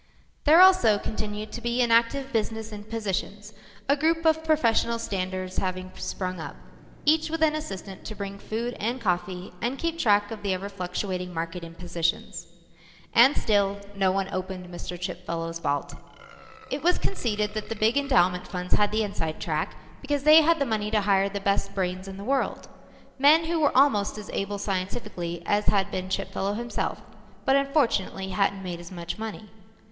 There also continued to be an active business in positions, a group of professional standers having sprung up, each with an assistant to bring food and coffee and keep track of the ever fluctuating market in positions. And still no one opened Chipfellow's vault. It was conceded that the big endowment funds had the inside track because they had the money to hire the best brains in the world; men who were almost as able scientifically as had been Chipfellow himself but unfortunately hadn't made as much money.